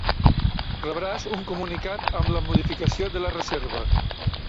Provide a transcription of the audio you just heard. Rebràs un comunicat amb la modificació de la reserva.